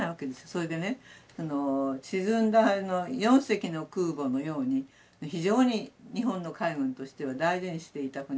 それでね沈んだ４隻の空母のように非常に日本の海軍としては大事にしていた船だし。